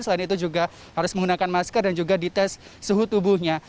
selain itu juga harus menggunakan masker dan juga dites suhu tubuhnya